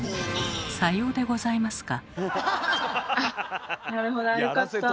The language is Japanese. さようでございますか。